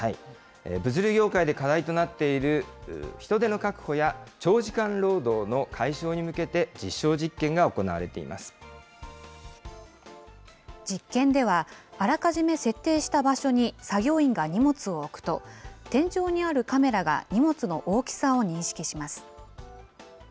物流業界で課題となっている、人手の確保や長時間労働の解消に実験ではあらかじめ設定した場所に作業員が荷物を置くと、天井にあるカメラが荷物の大きさを認識します。